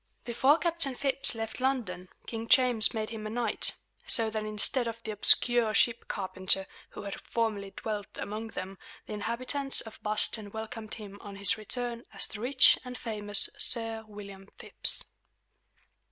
Before Captain Phips left London, King James made him a knight; so that, instead of the obscure ship carpenter who had formerly dwelt among them, the inhabitants of Boston welcomed him on his return as the rich and famous Sir William Phips.